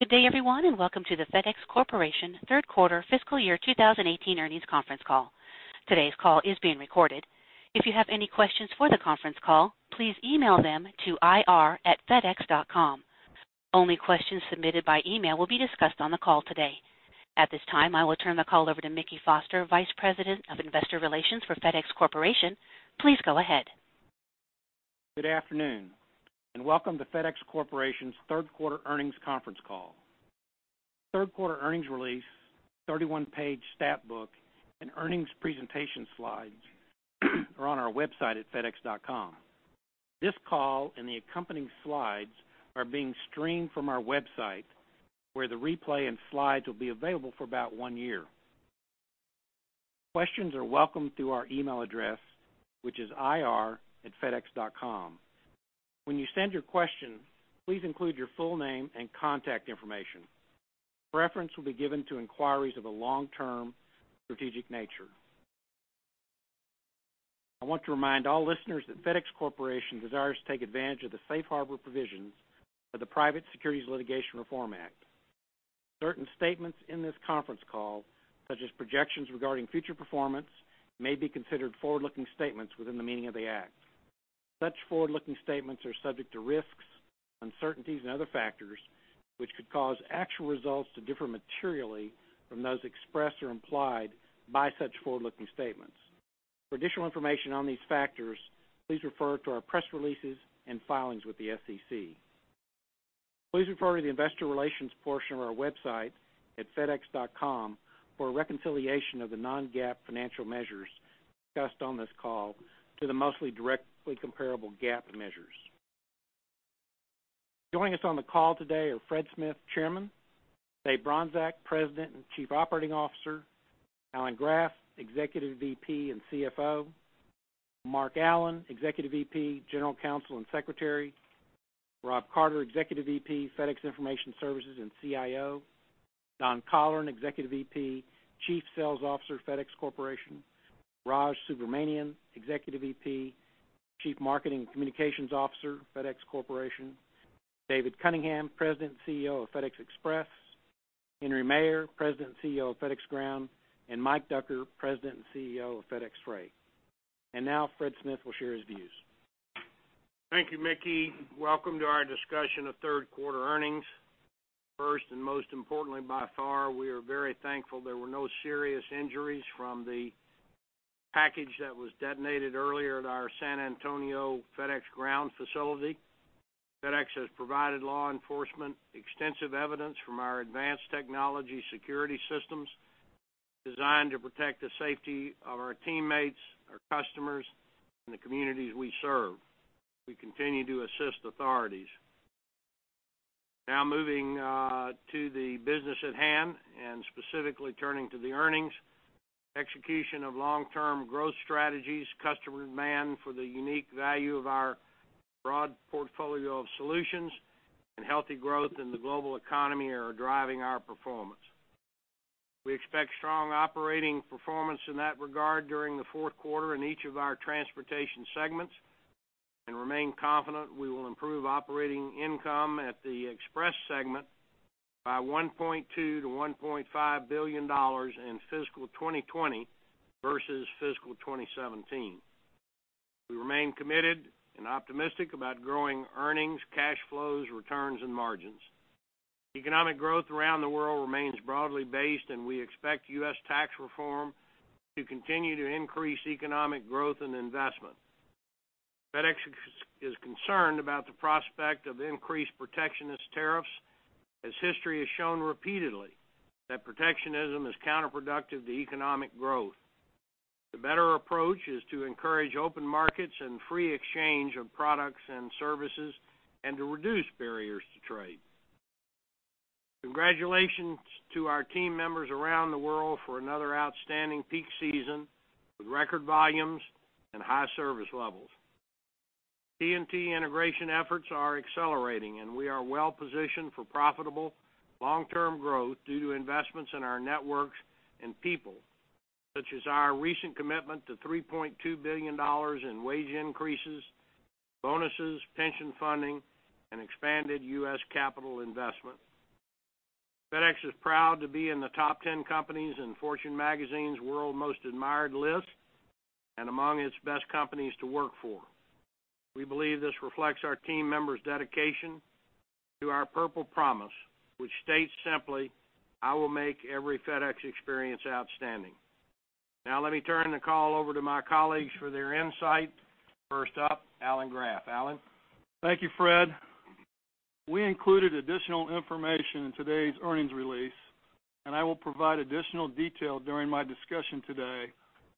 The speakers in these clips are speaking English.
Good day everyone, welcome to the FedEx Corporation third quarter fiscal year 2018 earnings conference call. Today's call is being recorded. If you have any questions for the conference call, please email them to ir@fedex.com. Only questions submitted by email will be discussed on the call today. At this time, I will turn the call over to Mickey Foster, Vice President of Investor Relations for FedEx Corporation. Please go ahead. Good afternoon, welcome to FedEx Corporation's third quarter earnings conference call. Third quarter earnings release, 31-page stat book, and earnings presentation slides are on our website at fedex.com. This call and the accompanying slides are being streamed from our website, where the replay and slides will be available for about one year. Questions are welcome through our email address, which is ir@fedex.com. When you send your question, please include your full name and contact information. Reference will be given to inquiries of a long-term strategic nature. I want to remind all listeners that FedEx Corporation desires to take advantage of the safe harbor provisions of the Private Securities Litigation Reform Act. Certain statements in this conference call, such as projections regarding future performance, may be considered forward-looking statements within the meaning of the act. Such forward-looking statements are subject to risks, uncertainties and other factors which could cause actual results to differ materially from those expressed or implied by such forward-looking statements. For additional information on these factors, please refer to our press releases and filings with the SEC. Please refer to the investor relations portion of our website at fedex.com for a reconciliation of the non-GAAP financial measures discussed on this call to the mostly directly comparable GAAP measures. Joining us on the call today are Fred Smith, Chairman, Dave Bronczek, President and Chief Operating Officer, Alan Graf, Executive VP and CFO, Mark Allen, Executive VP, General Counsel and Secretary, Rob Carter, Executive VP, FedEx Information Services and CIO, Don Colleran, Executive VP, Chief Sales Officer, FedEx Corporation, Raj Subramaniam, Executive VP, Chief Marketing Communications Officer, FedEx Corporation, David Cunningham, President and CEO of FedEx Express, Henry Maier, President and CEO of FedEx Ground, and Mike Ducker, President and CEO of FedEx Freight. Now Fred Smith will share his views. Thank you, Mickey. Welcome to our discussion of third quarter earnings. First, and most importantly by far, we are very thankful there were no serious injuries from the package that was detonated earlier at our San Antonio FedEx Ground facility. FedEx has provided law enforcement extensive evidence from our advanced technology security systems designed to protect the safety of our teammates, our customers, and the communities we serve. We continue to assist authorities. Moving to the business at hand and specifically turning to the earnings. Execution of long-term growth strategies, customer demand for the unique value of our broad portfolio of solutions, and healthy growth in the global economy are driving our performance. We expect strong operating performance in that regard during the fourth quarter in each of our transportation segments and remain confident we will improve operating income at the Express segment by $1.2 billion-$1.5 billion in fiscal 2020 versus fiscal 2017. We remain committed and optimistic about growing earnings, cash flows, returns, and margins. Economic growth around the world remains broadly based, we expect U.S. tax reform to continue to increase economic growth and investment. FedEx is concerned about the prospect of increased protectionist tariffs, as history has shown repeatedly that protectionism is counterproductive to economic growth. The better approach is to encourage open markets and free exchange of products and services and to reduce barriers to trade. Congratulations to our team members around the world for another outstanding peak season with record volumes and high service levels. TNT integration efforts are accelerating, we are well-positioned for profitable long-term growth due to investments in our networks and people, such as our recent commitment to $3.2 billion in wage increases, bonuses, pension funding, and expanded U.S. capital investment. FedEx is proud to be in the top 10 companies in Fortune Magazine's World's Most Admired list and among its best companies to work for. We believe this reflects our team members' dedication to our Purple Promise, which states simply, "I will make every FedEx experience outstanding." Let me turn the call over to my colleagues for their insight. First up, Alan Graf. Alan? Thank you, Fred. We included additional information in today's earnings release, I will provide additional detail during my discussion today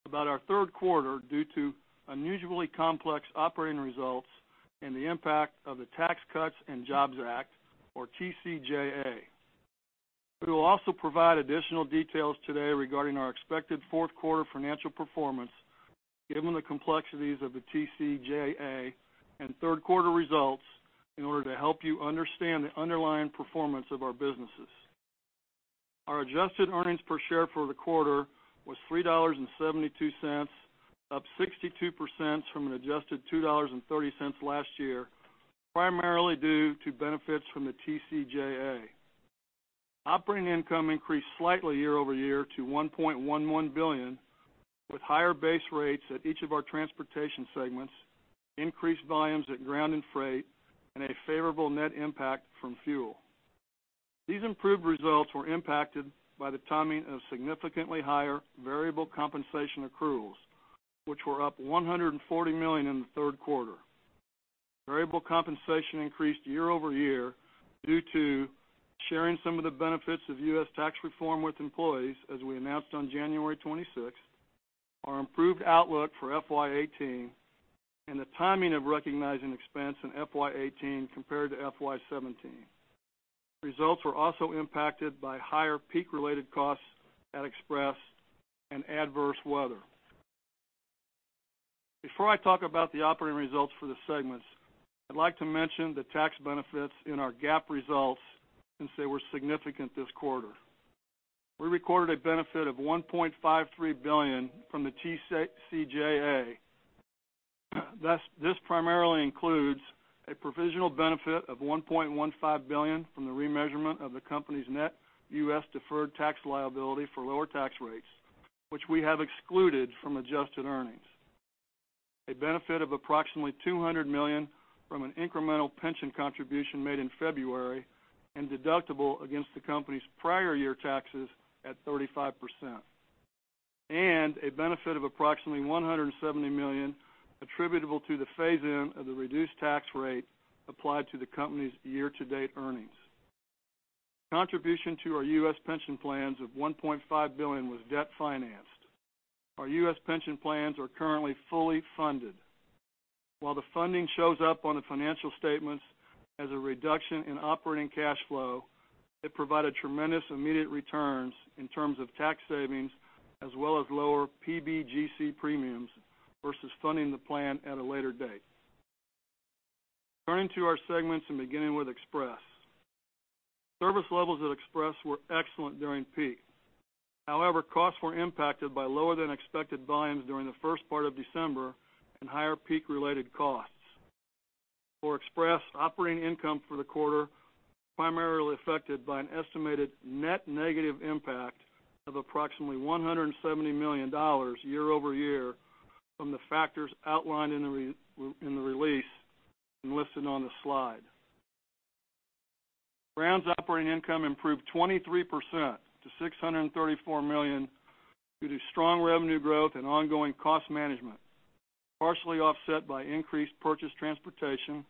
about our third quarter due to unusually complex operating results and the impact of the Tax Cuts and Jobs Act, or TCJA. We will also provide additional details today regarding our expected fourth quarter financial performance, given the complexities of the TCJA and third quarter results in order to help you understand the underlying performance of our businesses. Our adjusted earnings per share for the quarter was $3.72, up 62% from an adjusted $2.30 last year, primarily due to benefits from the TCJA. Operating income increased slightly year-over-year to $1.11 billion, with higher base rates at each of our transportation segments, increased volumes at Ground and Freight, and a favorable net impact from fuel. These improved results were impacted by the timing of significantly higher variable compensation accruals, which were up $140 million in the third quarter. Variable compensation increased year-over-year due to sharing some of the benefits of U.S. tax reform with employees, as we announced on January 26th, our improved outlook for FY 2018, and the timing of recognizing expense in FY 2018 compared to FY 2017. Results were also impacted by higher peak-related costs at Express and adverse weather. Before I talk about the operating results for the segments, I'd like to mention the tax benefits in our GAAP results, since they were significant this quarter. We recorded a benefit of $1.53 billion from the TCJA. This primarily includes a provisional benefit of $1.15 billion from the remeasurement of the company's net U.S. deferred tax liability for lower tax rates, which we have excluded from adjusted earnings. A benefit of approximately $200 million from an incremental pension contribution made in February and deductible against the company's prior year taxes at 35%. A benefit of approximately $170 million attributable to the phase-in of the reduced tax rate applied to the company's year-to-date earnings. Contribution to our U.S. pension plans of $1.5 billion was debt financed. Our U.S. pension plans are currently fully funded. While the funding shows up on the financial statements as a reduction in operating cash flow, it provided tremendous immediate returns in terms of tax savings as well as lower PBGC premiums versus funding the plan at a later date. Turning to our segments and beginning with Express. Service levels at Express were excellent during peak. However, costs were impacted by lower than expected volumes during the first part of December and higher peak-related costs. For Express, operating income for the quarter primarily affected by an estimated net negative impact of approximately $170 million year-over-year from the factors outlined in the release and listed on the slide. Ground's operating income improved 23% to $634 million, due to strong revenue growth and ongoing cost management, partially offset by increased purchased transportation,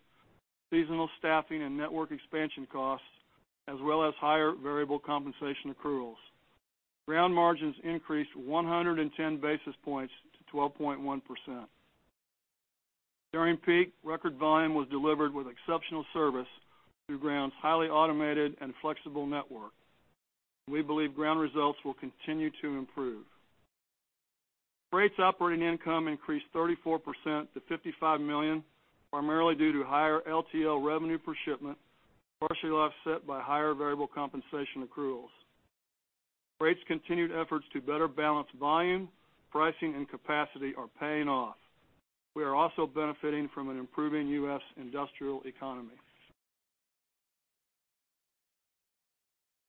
seasonal staffing and network expansion costs, as well as higher variable compensation accruals. Ground margins increased 110 basis points to 12.1%. During peak, record volume was delivered with exceptional service through Ground's highly automated and flexible network. We believe Ground results will continue to improve. Freight's operating income increased 34% to $55 million, primarily due to higher LTL revenue per shipment, partially offset by higher variable compensation accruals. Freight's continued efforts to better balance volume, pricing, and capacity are paying off. We are also benefiting from an improving U.S. industrial economy.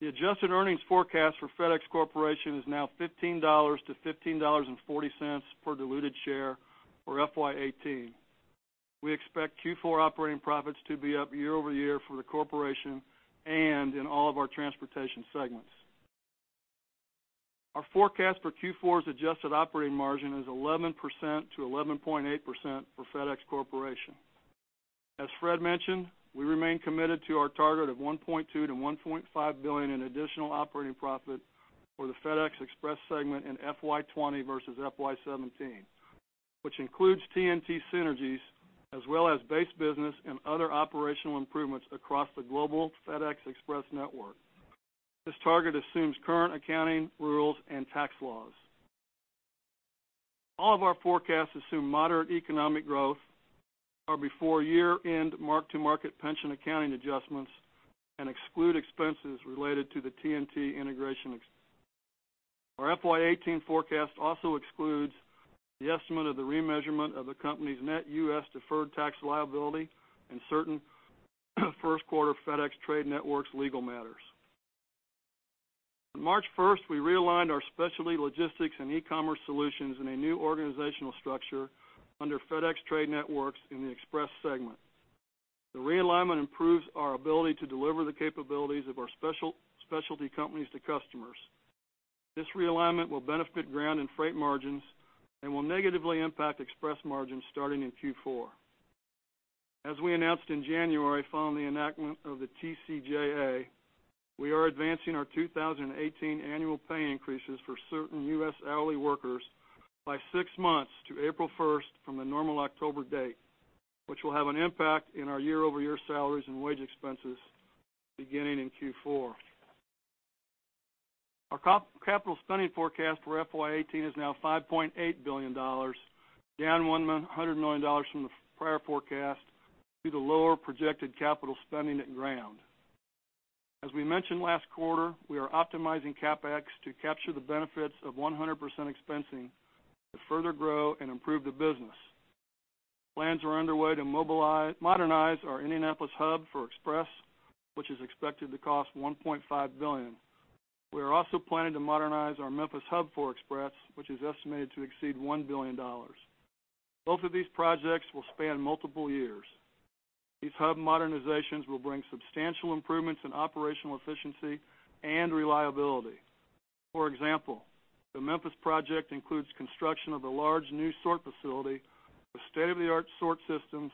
The adjusted earnings forecast for FedEx Corporation is now $15 to $15.40 per diluted share for FY 2018. We expect Q4 operating profits to be up year-over-year for the corporation and in all of our transportation segments. Our forecast for Q4's adjusted operating margin is 11%-11.8% for FedEx Corporation. As Fred mentioned, we remain committed to our target of $1.2 billion-$1.5 billion in additional operating profit for the FedEx Express segment in FY 2020 versus FY 2017, which includes TNT synergies as well as base business and other operational improvements across the global FedEx Express network. This target assumes current accounting rules and tax laws. All of our forecasts assume moderate economic growth, are before year-end mark-to-market pension accounting adjustments, and exclude expenses related to the TNT integration. Our FY 2018 forecast also excludes the estimate of the remeasurement of the company's net U.S. deferred tax liability and certain first quarter FedEx Trade Networks legal matters. On March 1st, we realigned our specialty logistics and e-commerce solutions in a new organizational structure under FedEx Trade Networks in the Express segment. The realignment improves our ability to deliver the capabilities of our specialty companies to customers. This realignment will benefit Ground and Freight margins and will negatively impact Express margins starting in Q4. As we announced in January following the enactment of the TCJA, we are advancing our 2018 annual pay increases for certain U.S. hourly workers by six months to April 1st from the normal October date, which will have an impact in our year-over-year salaries and wage expenses beginning in Q4. Our capital spending forecast for FY 2018 is now $5.8 billion, down $100 million from the prior forecast. To the lower projected capital spending at Ground. As we mentioned last quarter, we are optimizing CapEx to capture the benefits of 100% expensing to further grow and improve the business. Plans are underway to modernize our Indianapolis hub for Express, which is expected to cost $1.5 billion. We are also planning to modernize our Memphis hub for Express, which is estimated to exceed $1 billion. Both of these projects will span multiple years. These hub modernizations will bring substantial improvements in operational efficiency and reliability. For example, the Memphis project includes construction of a large new sort facility with state-of-the-art sort systems,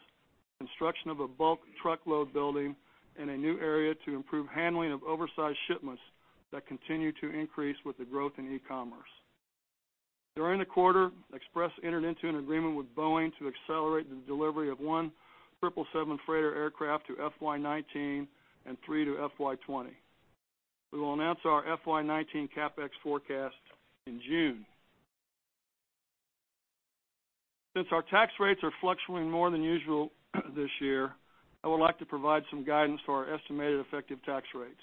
construction of a bulk truckload building, and a new area to improve handling of oversized shipments that continue to increase with the growth in e-commerce. During the quarter, Express entered into an agreement with Boeing to accelerate the delivery of one 777 freighter aircraft to FY 2019 and three to FY 2020. We will announce our FY 2019 CapEx forecast in June. Since our tax rates are fluctuating more than usual this year, I would like to provide some guidance for our estimated effective tax rates.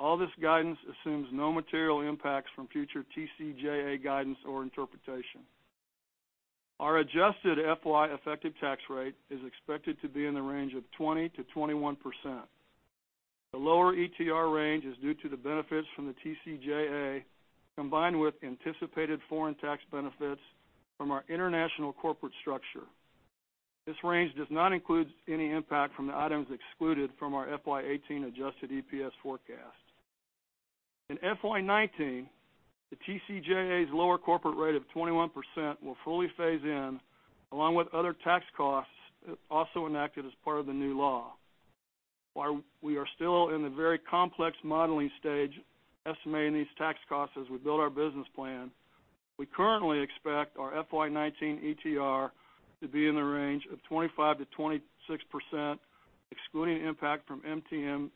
All this guidance assumes no material impacts from future TCJA guidance or interpretation. Our adjusted FY effective tax rate is expected to be in the range of 20%-21%. The lower ETR range is due to the benefits from the TCJA, combined with anticipated foreign tax benefits from our international corporate structure. This range does not include any impact from the items excluded from our FY 2018 adjusted EPS forecast. In FY 2019, the TCJA's lower corporate rate of 21% will fully phase in, along with other tax costs also enacted as part of the new law. While we are still in the very complex modeling stage estimating these tax costs as we build our business plan, we currently expect our FY 2019 ETR to be in the range of 25%-26%, excluding impact from MTM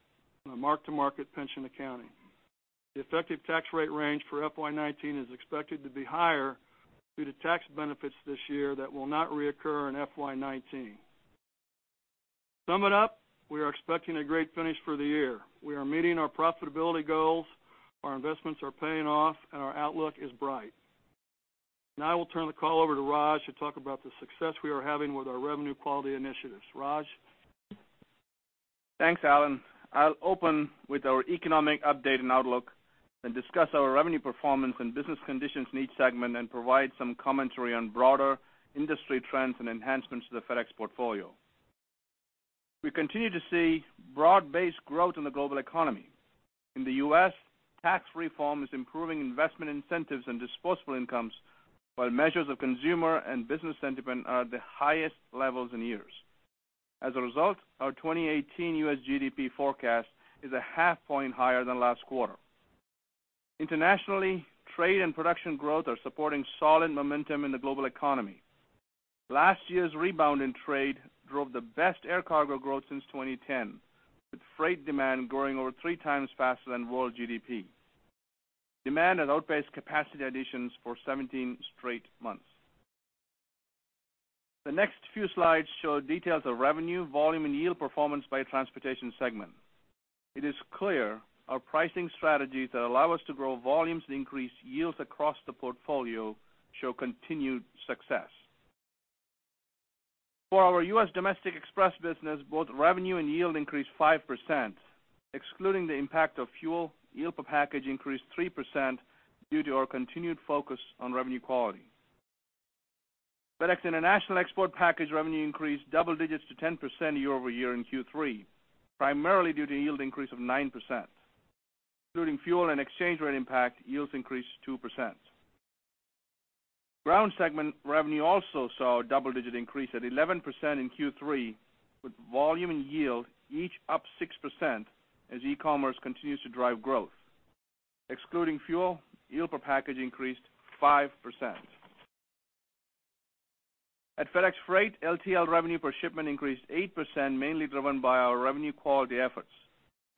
on a mark-to-market pension accounting. The effective tax rate range for FY 2019 is expected to be higher due to tax benefits this year that will not reoccur in FY 2019. To sum it up, we are expecting a great finish for the year. We are meeting our profitability goals, our investments are paying off, and our outlook is bright. Now I will turn the call over to Raj to talk about the success we are having with our revenue quality initiatives. Raj? Thanks, Alan. I'll open with our economic update and outlook and discuss our revenue performance and business conditions in each segment and provide some commentary on broader industry trends and enhancements to the FedEx portfolio. We continue to see broad-based growth in the global economy. In the U.S., tax reform is improving investment incentives and disposable incomes, while measures of consumer and business sentiment are at the highest levels in years. As a result, our 2018 U.S. GDP forecast is a half point higher than last quarter. Internationally, trade and production growth are supporting solid momentum in the global economy. Last year's rebound in trade drove the best air cargo growth since 2010, with freight demand growing over three times faster than world GDP. Demand has outpaced capacity additions for 17 straight months. The next few slides show details of revenue, volume, and yield performance by transportation segment. It is clear our pricing strategies that allow us to grow volumes and increase yields across the portfolio show continued success. For our U.S. Domestic Express business, both revenue and yield increased 5%. Excluding the impact of fuel, yield per package increased 3% due to our continued focus on revenue quality. FedEx International Export package revenue increased double digits to 10% year-over-year in Q3, primarily due to yield increase of 9%. Including fuel and exchange rate impact, yields increased 2%. Ground segment revenue also saw a double-digit increase at 11% in Q3, with volume and yield each up 6% as e-commerce continues to drive growth. Excluding fuel, yield per package increased 5%. At FedEx Freight, LTL revenue per shipment increased 8%, mainly driven by our revenue quality efforts.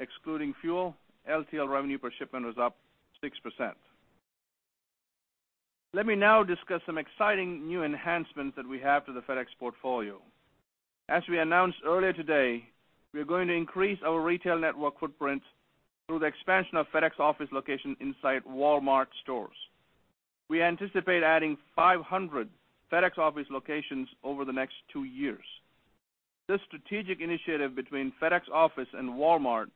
Excluding fuel, LTL revenue per shipment was up 6%. Let me now discuss some exciting new enhancements that we have to the FedEx portfolio. As we announced earlier today, we are going to increase our retail network footprint through the expansion of FedEx Office locations inside Walmart stores. We anticipate adding 500 FedEx Office locations over the next two years. This strategic initiative between FedEx Office and Walmart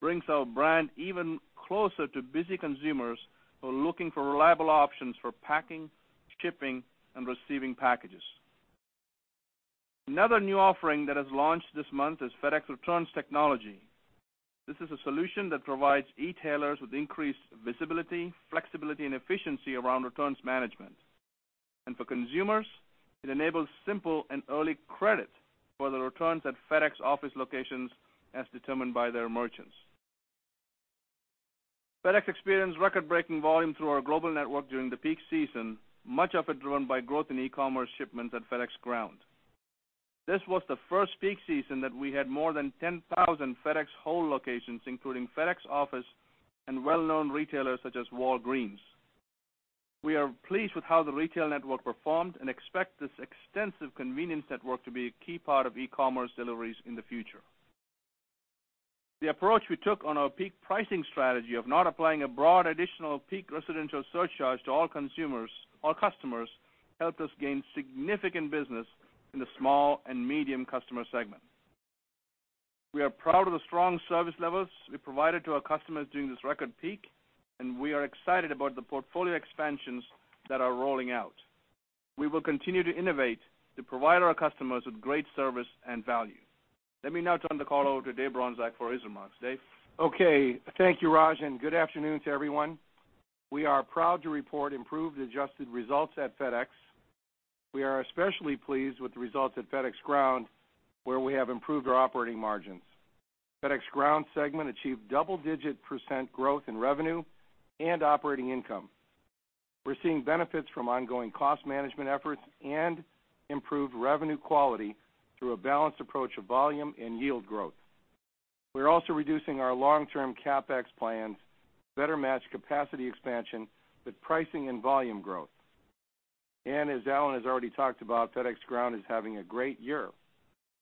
brings our brand even closer to busy consumers who are looking for reliable options for packing, shipping, and receiving packages. Another new offering that has launched this month is FedEx Returns Technology. This is a solution that provides e-tailers with increased visibility, flexibility, and efficiency around returns management. For consumers, it enables simple and early credit for the returns at FedEx Office locations as determined by their merchants. FedEx experienced record-breaking volume through our global network during the peak season, much of it driven by growth in e-commerce shipments at FedEx Ground. This was the first peak season that we had more than 10,000 FedEx Hold locations including FedEx Office and well-known retailers such as Walgreens. We are pleased with how the retail network performed and expect this extensive convenience network to be a key part of e-commerce deliveries in the future. The approach we took on our peak pricing strategy of not applying a broad additional peak residential surcharge to all customers helped us gain significant business in the small and medium customer segment. We are proud of the strong service levels we provided to our customers during this record peak, and we are excited about the portfolio expansions that are rolling out. We will continue to innovate to provide our customers with great service and value. Let me now turn the call over to Dave Bronczek for his remarks. Dave? Okay. Thank you, Raj, and good afternoon to everyone. We are proud to report improved adjusted results at FedEx. We are especially pleased with the results at FedEx Ground, where we have improved our operating margins. FedEx Ground segment achieved double-digit % growth in revenue and operating income. We're seeing benefits from ongoing cost management efforts and improved revenue quality through a balanced approach of volume and yield growth. We're also reducing our long-term CapEx plans to better match capacity expansion with pricing and volume growth. As Alan has already talked about, FedEx Ground is having a great year.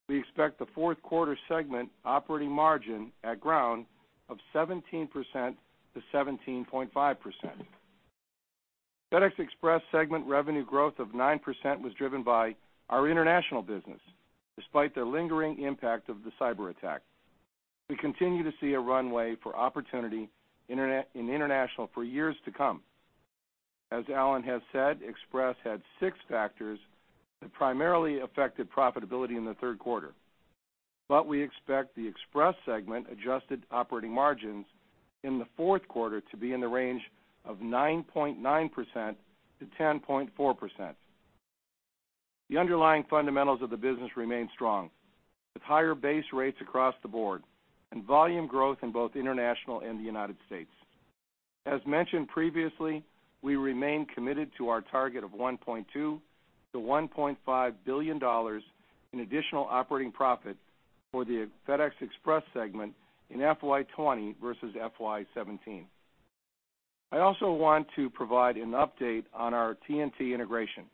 We expect the fourth quarter segment operating margin at Ground of 17%-17.5%. FedEx Express segment revenue growth of 9% was driven by our international business, despite the lingering impact of the cyberattack. We continue to see a runway for opportunity in international for years to come. As Alan has said, Express had six factors that primarily affected profitability in the third quarter. We expect the Express segment adjusted operating margins in the fourth quarter to be in the range of 9.9%-10.4%. The underlying fundamentals of the business remain strong, with higher base rates across the board and volume growth in both international and the United States. As mentioned previously, we remain committed to our target of $1.2 billion-$1.5 billion in additional operating profit for the FedEx Express segment in FY 2020 versus FY 2017. I also want to provide an update on our TNT integration.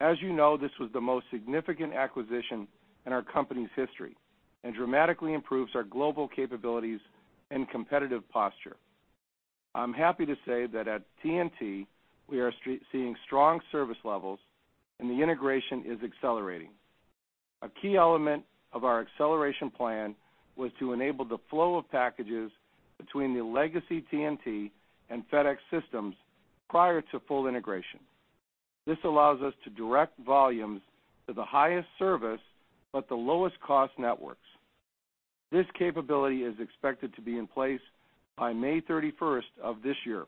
As you know, this was the most significant acquisition in our company's history and dramatically improves our global capabilities and competitive posture. I'm happy to say that at TNT, we are seeing strong service levels, and the integration is accelerating. A key element of our acceleration plan was to enable the flow of packages between the legacy TNT and FedEx systems prior to full integration. This allows us to direct volumes to the highest service but the lowest cost networks. This capability is expected to be in place by May 31st of this year.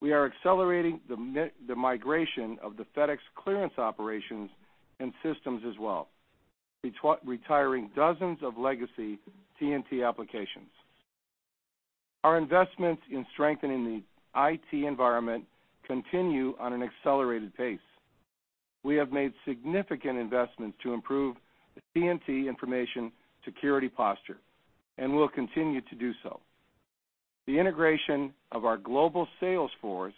We are accelerating the migration of the FedEx clearance operations and systems as well, retiring dozens of legacy TNT applications. Our investments in strengthening the IT environment continue on an accelerated pace. We have made significant investments to improve the TNT information security posture and will continue to do so. The integration of our global sales force,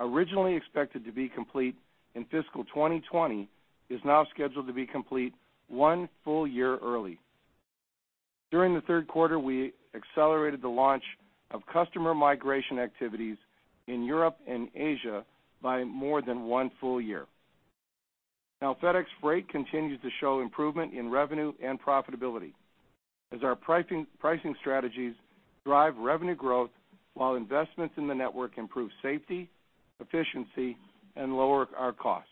originally expected to be complete in fiscal 2020, is now scheduled to be complete one full year early. During the third quarter, we accelerated the launch of customer migration activities in Europe and Asia by more than one full year. FedEx Freight continues to show improvement in revenue and profitability as our pricing strategies drive revenue growth while investments in the network improve safety, efficiency, and lower our costs.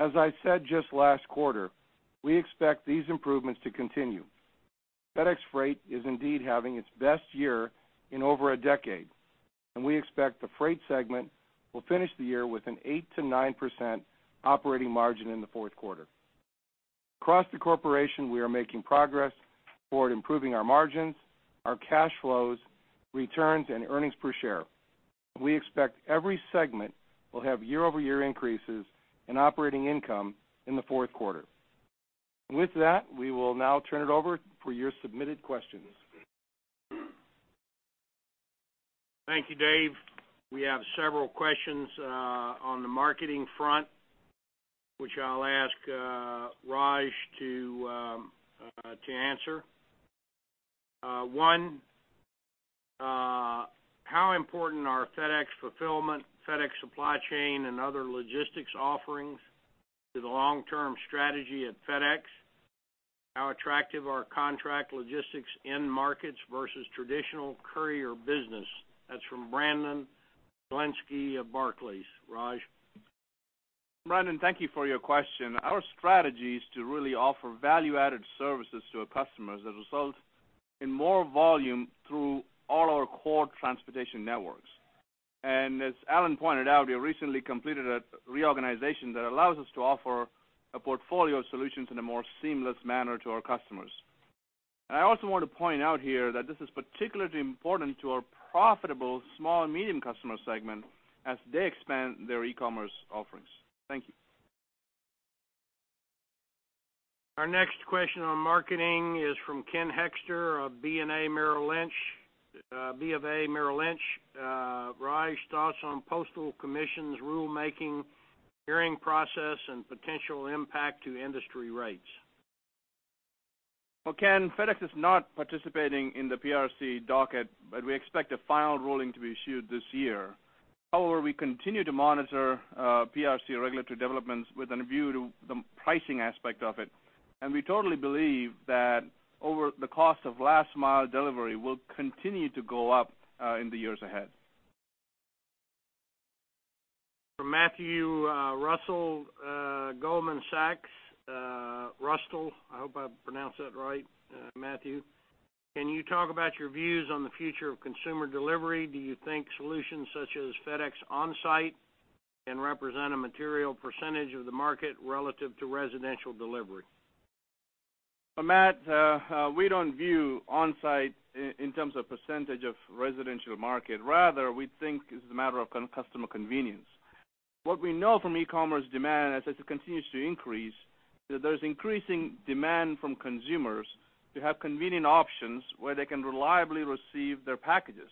As I said just last quarter, we expect these improvements to continue. FedEx Freight is indeed having its best year in over a decade, we expect the Freight segment will finish the year with an 8%-9% operating margin in the fourth quarter. Across the corporation, we are making progress toward improving our margins, our cash flows, returns, and earnings per share. We expect every segment will have year-over-year increases in operating income in the fourth quarter. With that, we will now turn it over for your submitted questions. Thank you, Dave. We have several questions on the marketing front, which I'll ask Raj to answer. How important are FedEx Fulfillment, FedEx Supply Chain, and other logistics offerings to the long-term strategy at FedEx? How attractive are contract logistics end markets versus traditional courier business? That's from Brandon Oglenski of Barclays. Raj? Brandon, thank you for your question. Our strategy is to really offer value-added services to our customers that result in more volume through all our core transportation networks. As Alan pointed out, we recently completed a reorganization that allows us to offer a portfolio of solutions in a more seamless manner to our customers. I also want to point out here that this is particularly important to our profitable small and medium customer segment as they expand their e-commerce offerings. Thank you. Our next question on marketing is from Ken Hoexter of B of A Merrill Lynch. Raj, thoughts on postal commissions, rulemaking, hearing process, and potential impact to industry rates? Well, Ken, FedEx is not participating in the PRC docket, we expect a final ruling to be issued this year. However, we continue to monitor PRC regulatory developments with an view to the pricing aspect of it. We totally believe that over the cost of last mile delivery will continue to go up in the years ahead. From Matthew Russell, Goldman Sachs. Russell, I hope I pronounced that right, Matthew. Can you talk about your views on the future of consumer delivery? Do you think solutions such as FedEx OnSite can represent a material percentage of the market relative to residential delivery? Matt, we don't view OnSite in terms of percentage of residential market. Rather, we think it's a matter of customer convenience. What we know from e-commerce demand, as it continues to increase, that there's increasing demand from consumers to have convenient options where they can reliably receive their packages.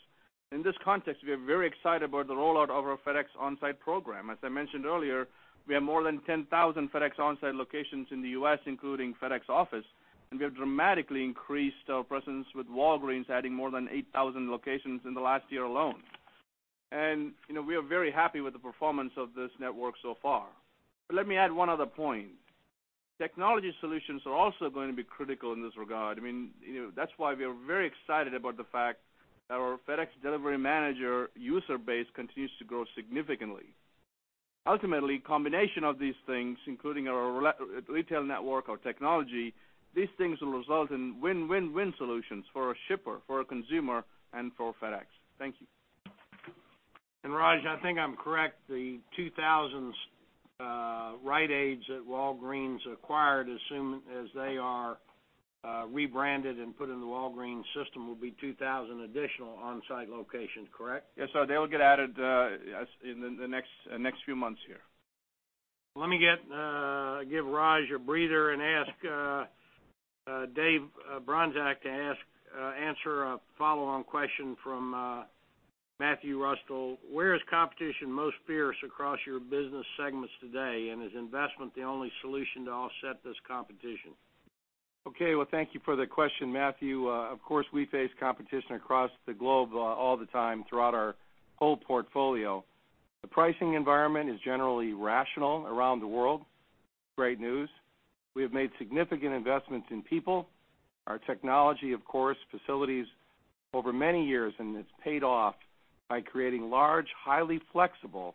In this context, we are very excited about the rollout of our FedEx OnSite program. As I mentioned earlier, we have more than 10,000 FedEx OnSite locations in the U.S., including FedEx Office, we have dramatically increased our presence with Walgreens, adding more than 8,000 locations in the last year alone. We are very happy with the performance of this network so far. Let me add one other point. Technology solutions are also going to be critical in this regard. That's why we are very excited about the fact that our FedEx Delivery Manager user base continues to grow significantly. Ultimately, combination of these things, including our retail network, our technology, these things will result in win-win-win solutions for a shipper, for a consumer, and for FedEx. Thank you. Raj, I think I'm correct, the 2,000 Rite Aids that Walgreens acquired, assuming as they are rebranded and put into the Walgreens system, will be 2,000 additional on-site locations, correct? Yes, sir. They will get added in the next few months here. Let me give Raj a breather and ask Dave Bronczek to answer a follow-on question from Matthew Russell. Where is competition most fierce across your business segments today? Is investment the only solution to offset this competition? Thank you for the question, Matthew. Of course, we face competition across the globe all the time throughout our whole portfolio. The pricing environment is generally rational around the world. Great news. We have made significant investments in people, our technology, of course, facilities over many years, and it's paid off by creating large, highly flexible,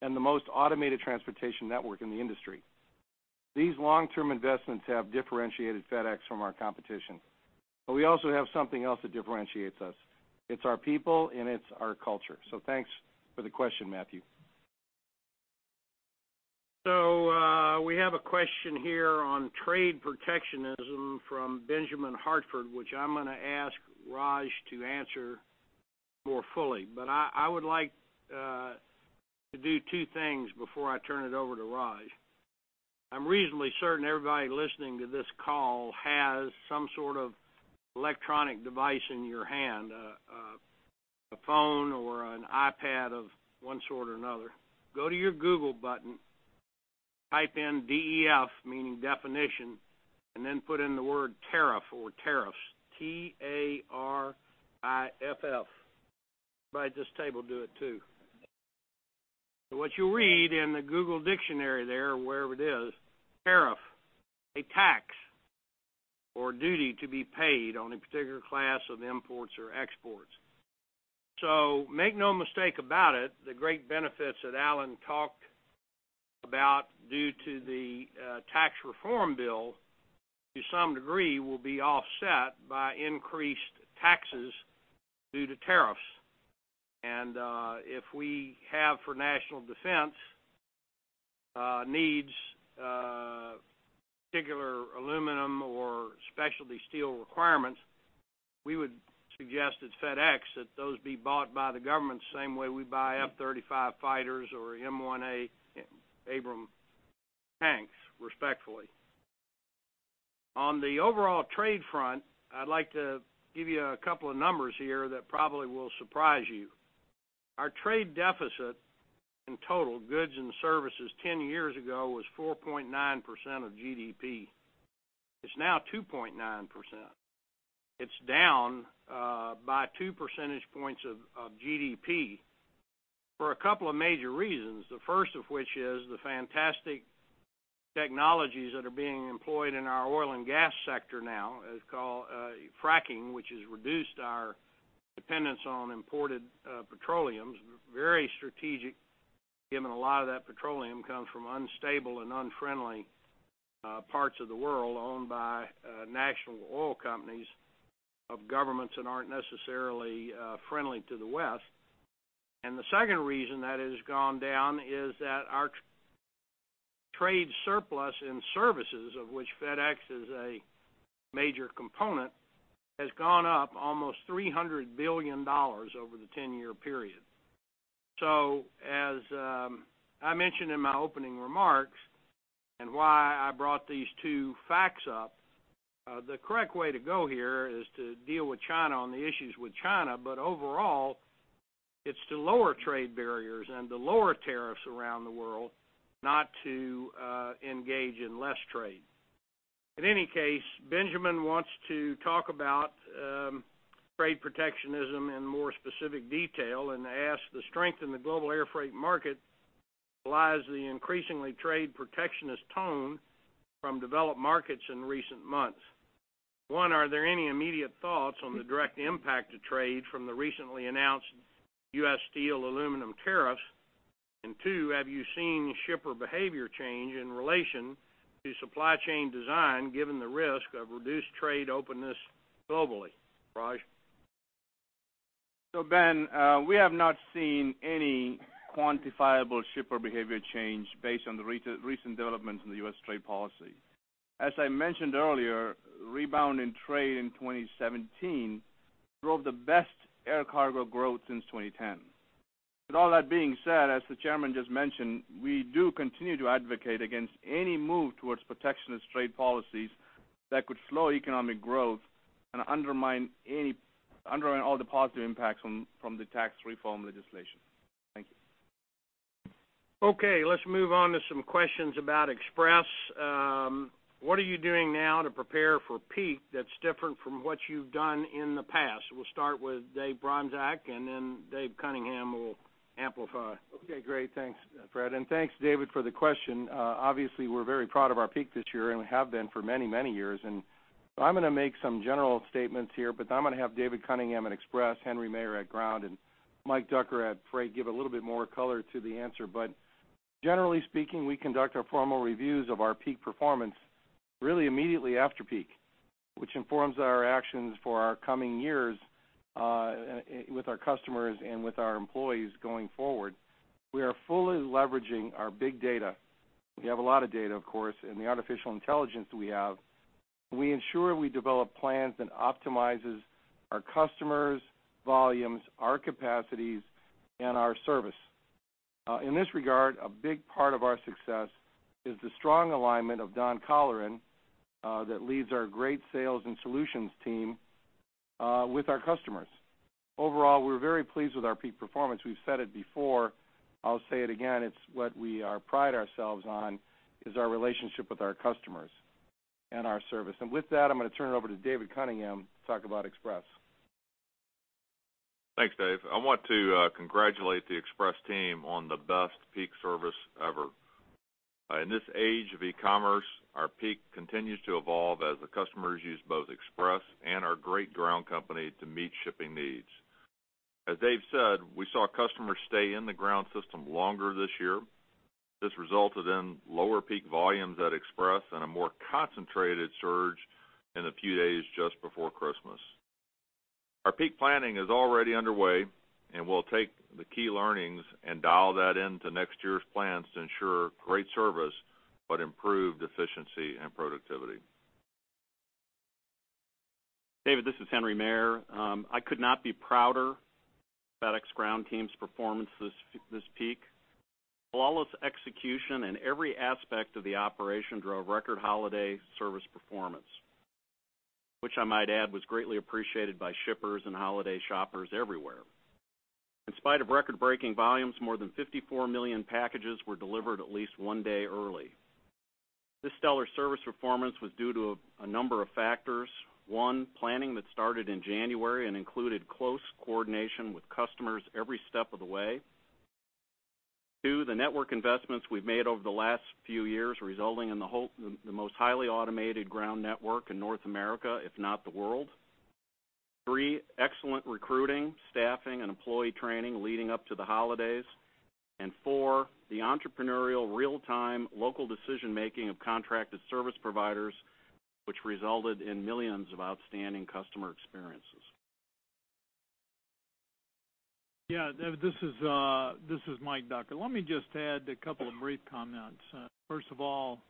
and the most automated transportation network in the industry. These long-term investments have differentiated FedEx from our competition. We also have something else that differentiates us. It's our people and it's our culture. Thanks for the question, Matthew. We have a question here on trade protectionism from Benjamin Hartford, which I'm going to ask Raj to answer more fully. I would like to do two things before I turn it over to Raj. I'm reasonably certain everybody listening to this call has some sort of electronic device in your hand, a phone or an iPad of one sort or another. Go to your Google button, type in D-E-F, meaning definition, and then put in the word tariff or tariffs, T-A-R-I-F-F. Everybody at this table do it too. What you'll read in the Google dictionary there or wherever it is, tariff, a tax or duty to be paid on a particular class of imports or exports. Make no mistake about it, the great benefits that Alan talked about due to the tax reform bill, to some degree, will be offset by increased taxes due to tariffs. If we have for national defense needs particular aluminum or specialty steel requirements, we would suggest at FedEx that those be bought by the government the same way we buy F-35 fighters or M1 Abrams tanks, respectfully. On the overall trade front, I'd like to give you a couple of numbers here that probably will surprise you. Our trade deficit in total goods and services 10 years ago was 4.9% of GDP. It's now 2.9%. It's down by two percentage points of GDP for a couple of major reasons. The first of which is the fantastic technologies that are being employed in our oil and gas sector now, it's called fracking, which has reduced our dependence on imported petroleum. Very strategic, given a lot of that petroleum comes from unstable and unfriendly parts of the world owned by national oil companies of governments that aren't necessarily friendly to the West. The second reason that has gone down is that our trade surplus in services, of which FedEx is a major component, has gone up almost $300 billion over the 10-year period. As I mentioned in my opening remarks and why I brought these two facts up, the correct way to go here is to deal with China on the issues with China. Overall, it's to lower trade barriers and to lower tariffs around the world, not to engage in less trade. In any case, Benjamin Hartford wants to talk about trade protectionism in more specific detail and asks, "The strength in the global airfreight market belies the increasingly trade protectionist tone from developed markets in recent months. One, are there any immediate thoughts on the direct impact to trade from the recently announced U.S. steel aluminum tariffs? And two, have you seen shipper behavior change in relation to supply chain design, given the risk of reduced trade openness globally?" Raj? Ben, we have not seen any quantifiable shipper behavior change based on the recent developments in the U.S. trade policy. As I mentioned earlier, rebound in trade in 2017 drove the best air cargo growth since 2010. With all that being said, as the chairman just mentioned, we do continue to advocate against any move towards protectionist trade policies that could slow economic growth and undermine all the positive impacts from the tax reform legislation. Thank you. Okay, let's move on to some questions about Express. What are you doing now to prepare for peak that's different from what you've done in the past? We'll start with Dave Bronczek, and then Dave Cunningham will amplify. Okay, great. Thanks, Fred, and thanks, David, for the question. Obviously, we're very proud of our peak this year and have been for many years. I'm going to make some general statements here, I'm going to have David Cunningham at Express, Henry Maier at Ground, and Mike Ducker at Freight give a little bit more color to the answer. Generally speaking, we conduct our formal reviews of our peak performance really immediately after peak, which informs our actions for our coming years, with our customers and with our employees going forward. We are fully leveraging our big data. We have a lot of data, of course, and the artificial intelligence we have. We ensure we develop plans and optimizes our customers' volumes, our capacities, and our service. In this regard, a big part of our success is the strong alignment of Don Colleran, that leads our great sales and solutions team, with our customers. Overall, we're very pleased with our peak performance. We've said it before, I'll say it again, it's what we pride ourselves on, is our relationship with our customers and our service. With that, I'm going to turn it over to David Cunningham to talk about Express. Thanks, Dave. I want to congratulate the Express team on the best peak service ever. In this age of e-commerce, our peak continues to evolve as the customers use both Express and our great Ground company to meet shipping needs. As Dave said, we saw customers stay in the Ground system longer this year. This resulted in lower peak volumes at Express and a more concentrated surge in the few days just before Christmas. Our peak planning is already underway. We'll take the key learnings and dial that into next year's plans to ensure great service, improved efficiency and productivity. David, this is Henry Maier. I could not be prouder of FedEx Ground team's performance this peak. Flawless execution in every aspect of the operation drove record holiday service performance. Which I might add, was greatly appreciated by shippers and holiday shoppers everywhere. In spite of record-breaking volumes, more than 54 million packages were delivered at least one day early. This stellar service performance was due to a number of factors. One, planning that started in January and included close coordination with customers every step of the way. Two, the network investments we've made over the last few years, resulting in the most highly automated ground network in North America, if not the world. Three, excellent recruiting, staffing, and employee training leading up to the holidays. Four, the entrepreneurial real-time local decision-making of contracted service providers, which resulted in millions of outstanding customer experiences. Yeah, this is Mike Ducker. Let me just add a couple of brief comments. First of all,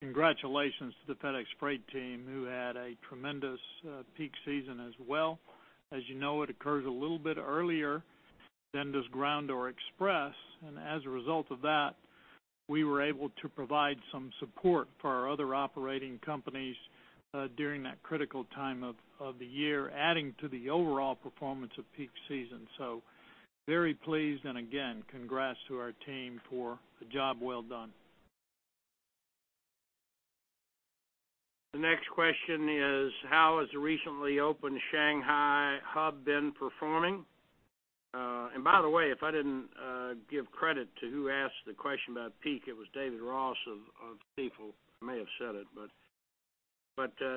congratulations to the FedEx Freight team, who had a tremendous peak season as well. As you know, it occurs a little bit earlier than does Ground or Express. As a result of that, we were able to provide some support for our other operating companies during that critical time of the year, adding to the overall performance of peak season. Very pleased, again, congrats to our team for a job well done. The next question is, "How has the recently opened Shanghai hub been performing?" By the way, if I didn't give credit to who asked the question about peak, it was David Ross of Stifel. I may have said it.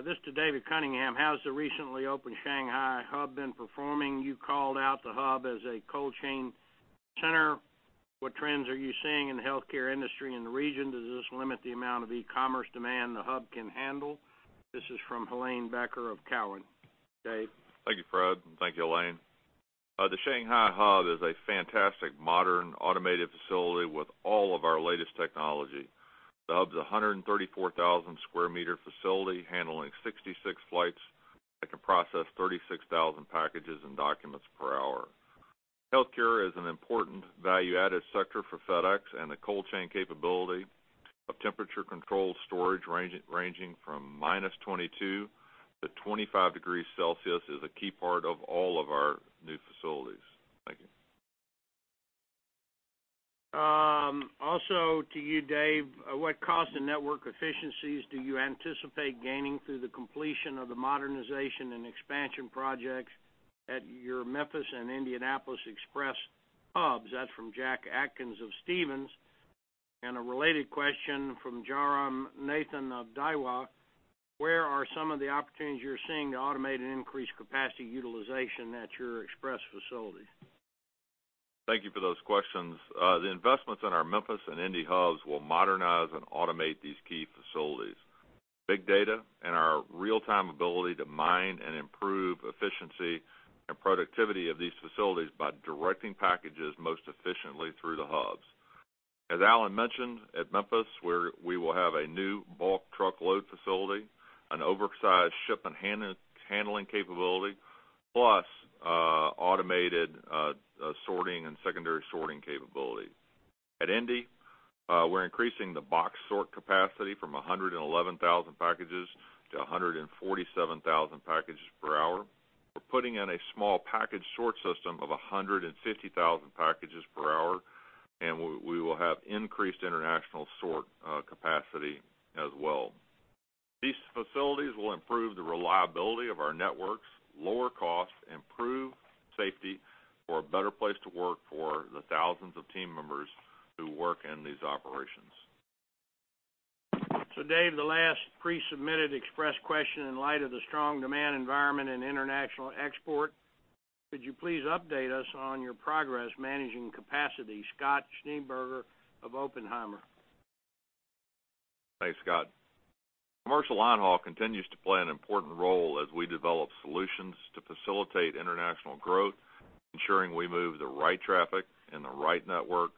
This to David Cunningham, "How has the recently opened Shanghai hub been performing? You called out the hub as a cold chain center. What trends are you seeing in the healthcare industry in the region? Does this limit the amount of e-commerce demand the hub can handle? This is from Helane Becker of Cowen. Dave? Thank you, Fred. Thank you, Helane. The Shanghai hub is a fantastic modern automated facility with all of our latest technology. The hub is a 134,000 sq m facility handling 66 flights that can process 36,000 packages and documents per hour. Healthcare is an important value-added sector for FedEx, and the cold chain capability of temperature-controlled storage ranging from -22 to 25 degrees Celsius is a key part of all of our new facilities. Thank you. Also to you, Dave, what cost and network efficiencies do you anticipate gaining through the completion of the modernization and expansion projects at your Memphis and Indianapolis Express hubs? That's from Jack Atkins of Stephens. A related question from Jairam Nathan of Daiwa. Where are some of the opportunities you're seeing to automate and increase capacity utilization at your Express facilities? Thank you for those questions. The investments in our Memphis and Indy hubs will modernize and automate these key facilities. Big data and our real-time ability to mine and improve efficiency and productivity of these facilities by directing packages most efficiently through the hubs. As Alan mentioned, at Memphis, we will have a new bulk truckload facility, an oversized ship and handling capability, plus automated sorting and secondary sorting capability. At Indy, we're increasing the box sort capacity from 111,000 packages to 147,000 packages per hour. We're putting in a small package sort system of 150,000 packages per hour. We will have increased international sort capacity as well. These facilities will improve the reliability of our networks, lower costs, improve safety for a better place to work for the thousands of team members who work in these operations. Dave, the last pre-submitted Express question. In light of the strong demand environment in international export, could you please update us on your progress managing capacity? Scott Schneeberger of Oppenheimer. Thanks, Scott. Commercial line haul continues to play an important role as we develop solutions to facilitate international growth, ensuring we move the right traffic in the right network,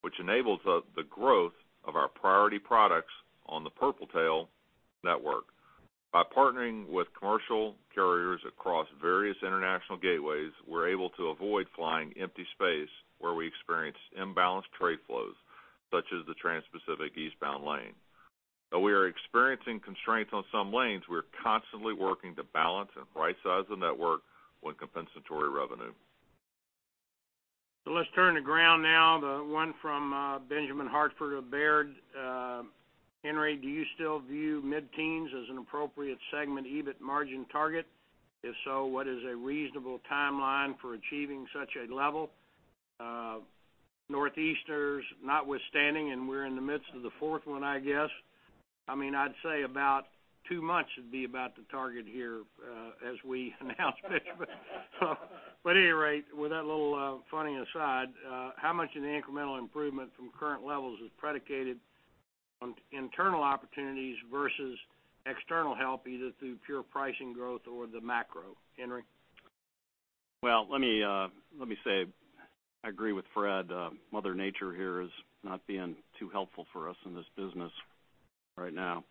which enables the growth of our priority products on the Purple Tail network. By partnering with commercial carriers across various international gateways, we're able to avoid flying empty space where we experience imbalanced trade flows, such as the Transpacific eastbound lane. Though we are experiencing constraints on some lanes, we're constantly working to balance and right-size the network with compensatory revenue. Let's turn to Ground now. The one from Benjamin Hartford of Baird. Henry, do you still view mid-teens as an appropriate segment EBIT margin target? If so, what is a reasonable timeline for achieving such a level? Northeasterners notwithstanding, and we're in the midst of the fourth one, I guess. I'd say about two months would be about the target here as we announce it. At any rate, with that little funny aside, how much of the incremental improvement from current levels is predicated on internal opportunities versus external help, either through pure pricing growth or the macro? Henry? Well, let me say, I agree with Fred. Mother Nature here is not being too helpful for us in this business right now.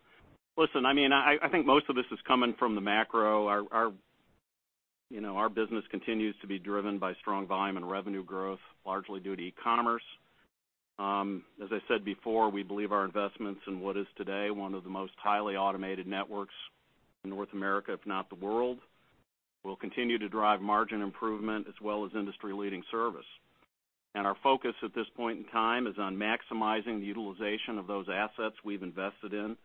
Listen, I think most of this is coming from the macro. Our business continues to be driven by strong volume and revenue growth, largely due to e-commerce. As I said before, we believe our investments in what is today one of the most highly automated networks in North America, if not the world, will continue to drive margin improvement as well as industry-leading service. Our focus at this point in time is on maximizing the utilization of those assets we've invested in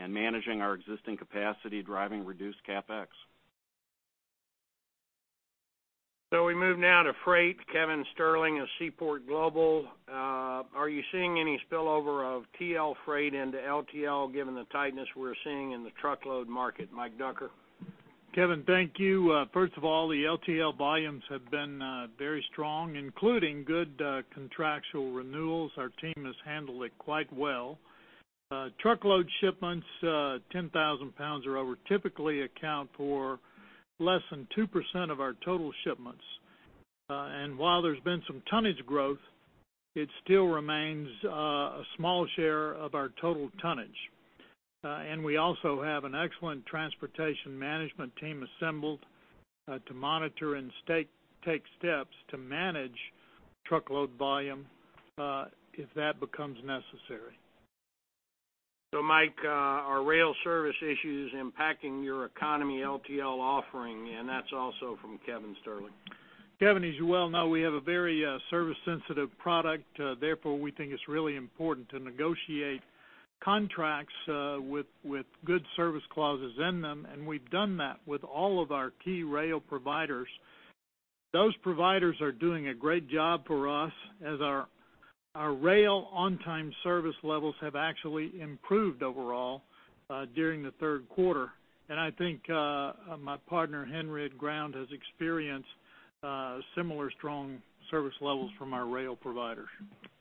and managing our existing capacity, driving reduced CapEx. We move now to Freight. Kevin Sterling of Seaport Global. Are you seeing any spillover of TL Freight into LTL given the tightness we're seeing in the truckload market? Mike Ducker. Kevin, thank you. First of all, the LTL volumes have been very strong, including good contractual renewals. Our team has handled it quite well. Truckload shipments, 10,000 pounds or over, typically account for less than 2% of our total shipments. While there's been some tonnage growth, it still remains a small share of our total tonnage. We also have an excellent transportation management team assembled to monitor and take steps to manage truckload volume if that becomes necessary. Mike, are rail service issues impacting your economy LTL offering? That's also from Kevin Sterling. Kevin, as you well know, we have a very service-sensitive product. Therefore, we think it's really important to negotiate contracts with good service clauses in them, and we've done that with all of our key rail providers. Those providers are doing a great job for us as our rail on-time service levels have actually improved overall during the third quarter. I think my partner Henry at Ground has experienced similar strong service levels from our rail providers.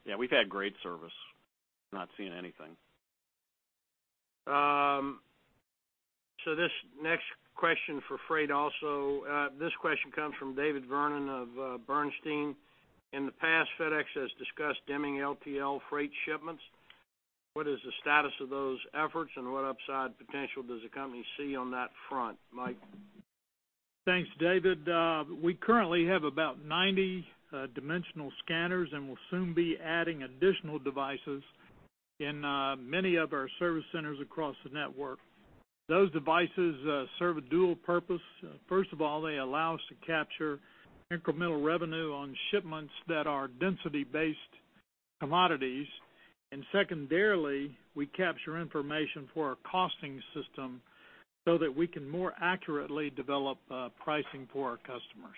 Yeah, we've had great service. Not seeing anything. This next question for Freight also. This question comes from David Vernon of Bernstein. In the past, FedEx has discussed dimensioning LTL freight shipments. What is the status of those efforts, and what upside potential does the company see on that front, Mike? Thanks, David. We currently have about 90 dimensional scanners, and we'll soon be adding additional devices in many of our service centers across the network. Those devices serve a dual purpose. First of all, they allow us to capture incremental revenue on shipments that are density-based commodities. Secondarily, we capture information for our costing system so that we can more accurately develop pricing for our customers.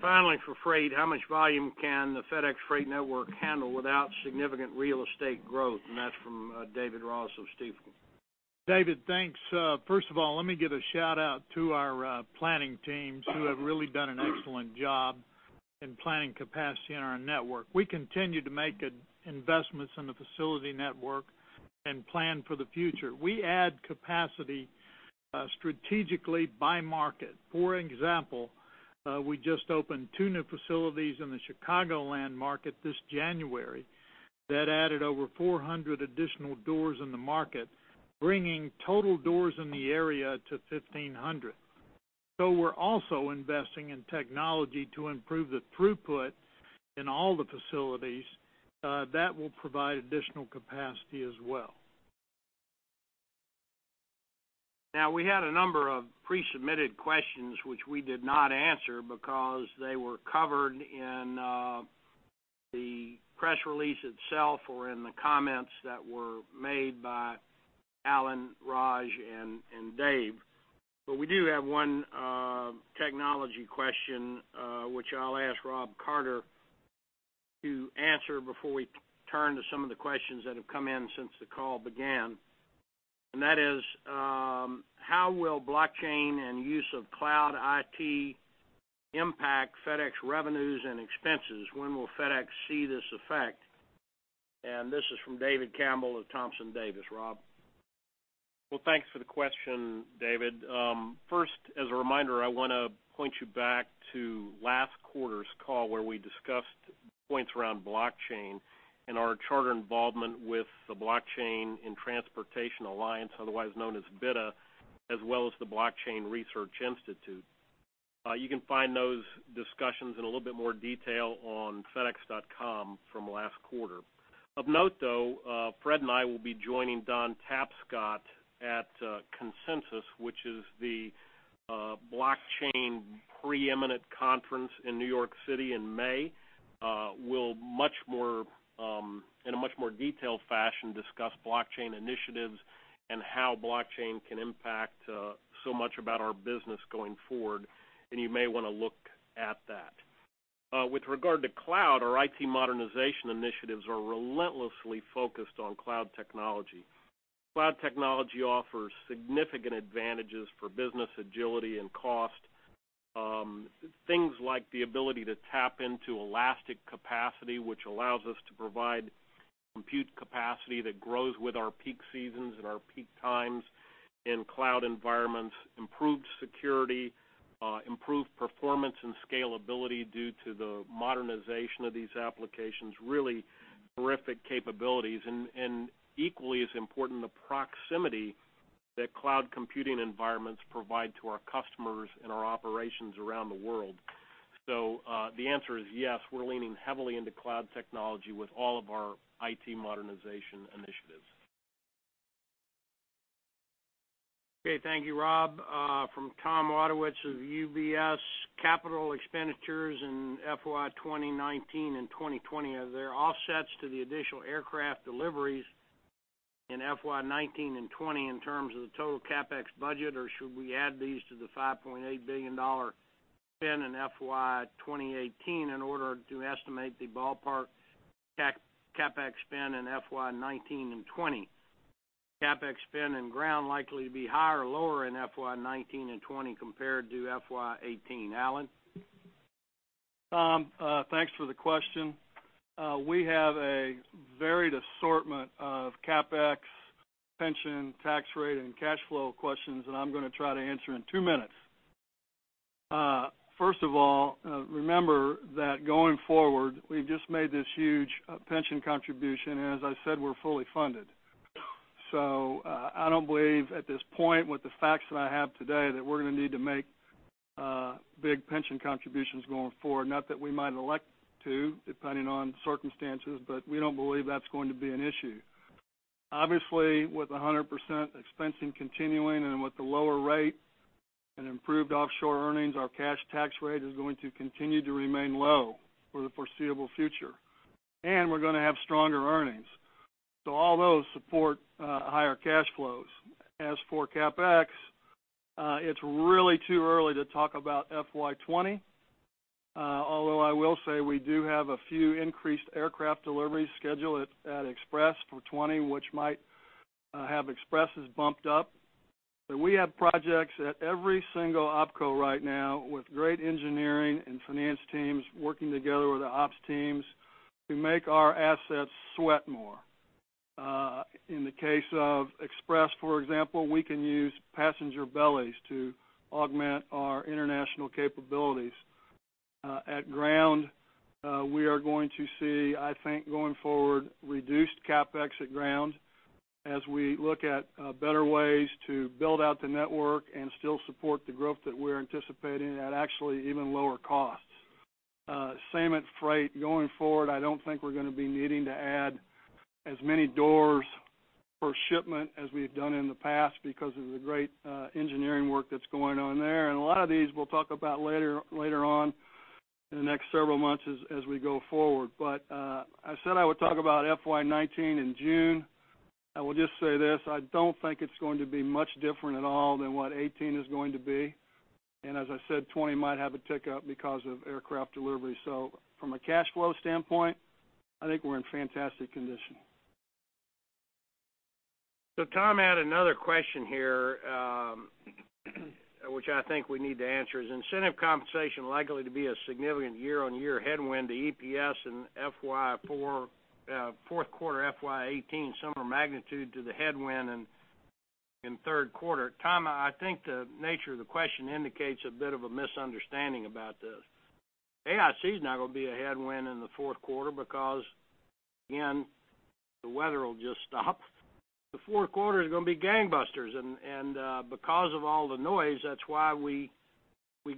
Finally, for Freight, how much volume can the FedEx Freight network handle without significant real estate growth? That's from David Ross of Stifel. David, thanks. First of all, let me give a shout-out to our planning teams who have really done an excellent job in planning capacity in our network. We continue to make investments in the facility network and plan for the future. We add capacity strategically by market. For example, we just opened 2 new facilities in the Chicagoland market this January that added over 400 additional doors in the market, bringing total doors in the area to 1,500. We're also investing in technology to improve the throughput in all the facilities. That will provide additional capacity as well. We had a number of pre-submitted questions which we did not answer because they were covered in the press release itself or in the comments that were made by Alan, Raj, and Dave. We do have 1 technology question, which I'll ask Rob Carter to answer before we turn to some of the questions that have come in since the call began. That is, how will blockchain and use of cloud IT impact FedEx revenues and expenses? When will FedEx see this effect? This is from David Campbell of Thompson Davis. Rob? Thanks for the question, David. First, as a reminder, I want to point you back to last quarter's call where we discussed points around blockchain and our charter involvement with the Blockchain in Transport Alliance, otherwise known as BiTA, as well as the Blockchain Research Institute. You can find those discussions in a little bit more detail on fedex.com from last quarter. Of note, though, Fred and I will be joining Don Tapscott at Consensus, which is the blockchain preeminent conference in New York City in May. We'll, in a much more detailed fashion, discuss blockchain initiatives and how blockchain can impact so much about our business going forward. You may want to look at that. With regard to cloud, our IT modernization initiatives are relentlessly focused on cloud technology. Cloud technology offers significant advantages for business agility and cost. Things like the ability to tap into elastic capacity, which allows us to provide compute capacity that grows with our peak seasons and our peak times in cloud environments. Improved security, improved performance, and scalability due to the modernization of these applications. Really terrific capabilities. Equally as important, the proximity that cloud computing environments provide to our customers and our operations around the world. The answer is yes, we're leaning heavily into cloud technology with all of our IT modernization initiatives. Okay, thank you, Rob. From Tom Wadewitz of UBS. Capital expenditures in FY 2019 and 2020. Are there offsets to the additional aircraft deliveries in FY 2019 and 2020 in terms of the total CapEx budget? Should we add these to the $5.8 billion spend in FY 2018 in order to estimate the ballpark CapEx spend in FY 2019 and 2020? CapEx spend and Ground likely to be higher or lower in FY 2019 and 2020 compared to FY 2018. Alan Graf? Tom Wadewitz, thanks for the question. We have a varied assortment of CapEx, pension, tax rate, and cash flow questions that I'm going to try to answer in two minutes. First of all, remember that going forward, we've just made this huge pension contribution, and as I said, we're fully funded. I don't believe at this point with the facts that I have today that we're going to need to make big pension contributions going forward. Not that we might elect to, depending on circumstances, but we don't believe that's going to be an issue. Obviously, with 100% expensing continuing and with the lower rate and improved offshore earnings, our cash tax rate is going to continue to remain low for the foreseeable future. We're going to have stronger earnings. All those support higher cash flows. As for CapEx, it's really too early to talk about FY 2020. Although I will say we do have a few increased aircraft delivery schedule at Express for 2020, which might have Express's bumped up. We have projects at every single opco right now with great engineering and finance teams working together with the ops teams to make our assets sweat more. In the case of Express, for example, we can use passenger bellies to augment our international capabilities. At Ground, we are going to see, I think, going forward, reduced CapEx at Ground as we look at better ways to build out the network and still support the growth that we're anticipating at actually even lower costs. Same at Freight. Going forward, I don't think we're going to be needing to add as many doors per shipment as we have done in the past because of the great engineering work that's going on there. A lot of these we'll talk about later on in the next several months as we go forward. I said I would talk about FY 2019 in June. I will just say this, I don't think it's going to be much different at all than what 2018 is going to be. As I said, 2020 might have a tick up because of aircraft delivery. From a cash flow standpoint, I think we're in fantastic condition. Tom had another question here, which I think we need to answer. Is incentive compensation likely to be a significant year-on-year headwind to EPS in fourth quarter FY 2018, similar magnitude to the headwind in third quarter? Tom, I think the nature of the question indicates a bit of a misunderstanding about this. AIC is not going to be a headwind in the fourth quarter because, again, the weather will just stop. The fourth quarter is going to be gangbusters. Because of all the noise, that's why we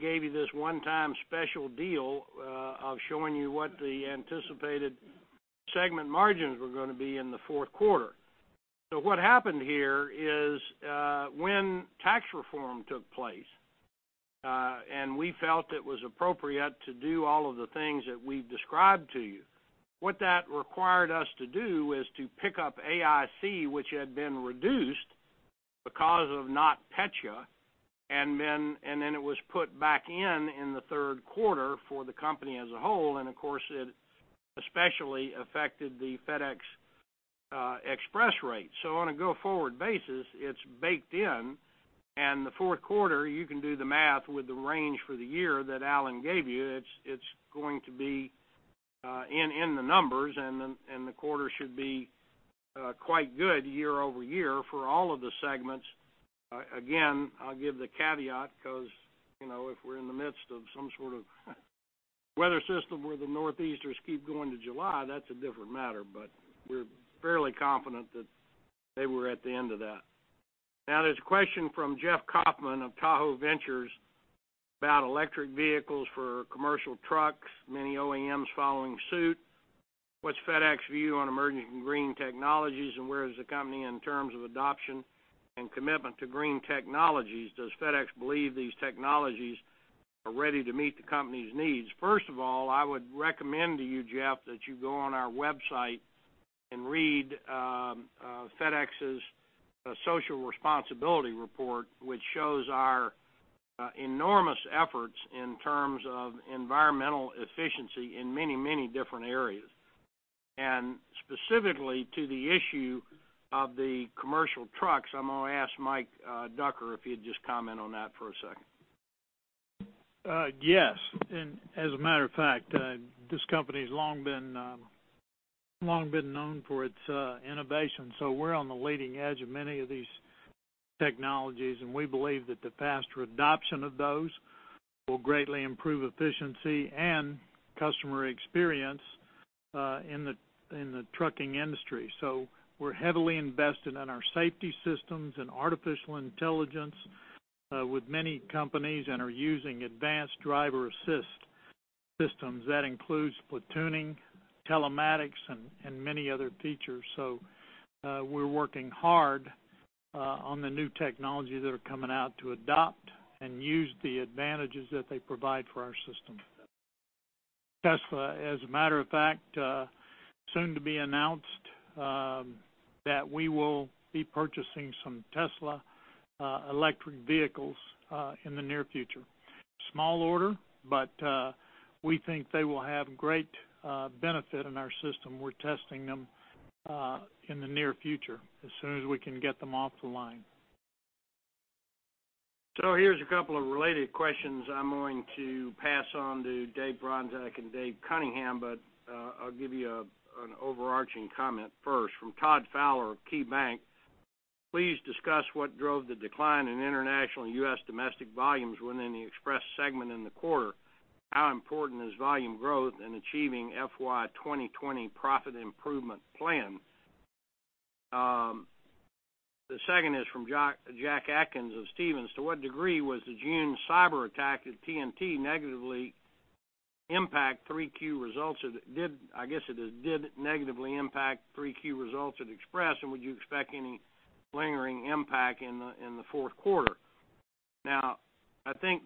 gave you this one-time special deal of showing you what the anticipated segment margins were going to be in the fourth quarter. What happened here is, when Tax Reform took place, and we felt it was appropriate to do all of the things that we've described to you, what that required us to do is to pick up AIC, which had been reduced because of NotPetya, and then it was put back in in the third quarter for the company as a whole. Of course, it especially affected the FedEx Express rates. On a go-forward basis, it's baked in, and the fourth quarter, you can do the math with the range for the year that Alan gave you. It's going to be in the numbers, and the quarter should be quite good year-over-year for all of the segments. Again, I'll give the caveat because if we're in the midst of some sort of weather system where the northeasters keep going to July, that's a different matter. But we're fairly confident that they were at the end of that. There's a question from Jeff Kauffman of Tahoe Ventures about electric vehicles for commercial trucks, many OEMs following suit. What's FedEx view on emerging green technologies, and where is the company in terms of adoption and commitment to green technologies? Does FedEx believe these technologies are ready to meet the company's needs? First of all, I would recommend to you, Jeff, that you go on our website and read FedEx's social responsibility report, which shows our enormous efforts in terms of environmental efficiency in many, many different areas. Specifically to the issue of the commercial trucks, I'm going to ask Mike Ducker if he'd just comment on that for a second. Yes. As a matter of fact, this company's long been known for its innovation. We're on the leading edge of many of these technologies, and we believe that the faster adoption of those will greatly improve efficiency and customer experience in the trucking industry. We're heavily invested in our safety systems and artificial intelligence with many companies and are using advanced driver assist systems. That includes platooning, telematics, and many other features. We're working hard on the new technologies that are coming out to adopt and use the advantages that they provide for our system. Tesla, as a matter of fact, soon to be announced, that we will be purchasing some Tesla electric vehicles in the near future. Small order, but we think they will have great benefit in our system. We're testing them in the near future, as soon as we can get them off the line. Here's a couple of related questions I'm going to pass on to Dave Bronczek and David Cunningham, but I'll give you an overarching comment first. From Todd Fowler of KeyBanc, please discuss what drove the decline in international and U.S. domestic volumes within the Express segment in the quarter. How important is volume growth in achieving FY 2020 profit improvement plan? The second is from Jack Atkins of Stephens. Did it negatively impact 3Q results at Express, and would you expect any lingering impact in the fourth quarter? I think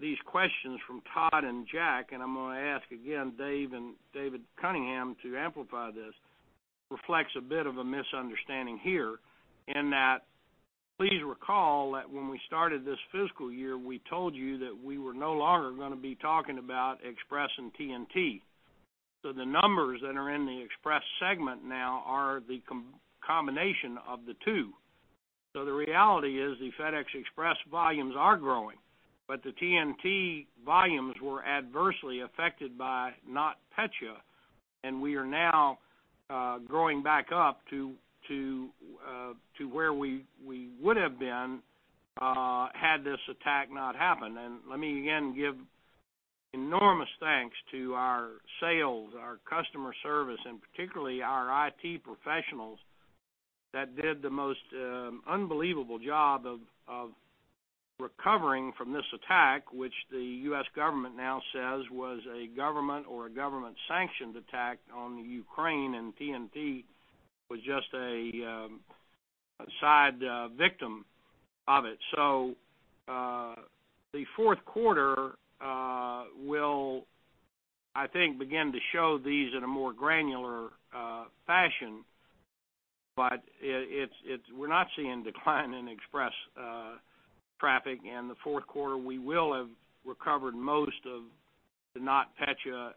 these questions from Todd and Jack, and I'm going to ask again Dave and David Cunningham to amplify this, reflects a bit of a misunderstanding here, in that please recall that when we started this fiscal year, we told you that we were no longer going to be talking about Express and TNT. The numbers that are in the Express segment now are the combination of the two. The reality is the FedEx Express volumes are growing. The TNT volumes were adversely affected by NotPetya. We are now growing back up to where we would have been, had this attack not happened. Let me again give enormous thanks to our sales, our customer service, and particularly our IT professionals that did the most unbelievable job of recovering from this attack, which the U.S. government now says was a government or a government sanctioned attack on the Ukraine, and TNT was just a side victim of it. The fourth quarter will, I think, begin to show these in a more granular fashion. We're not seeing decline in Express traffic. In the fourth quarter, we will have recovered most of the NotPetya